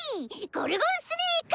ゴルゴンスネーク！